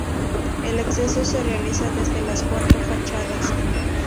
El acceso se realiza desde las cuatro fachadas.